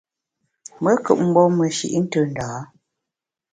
Me nkùp mgbom meshi’ ntù ndâ a.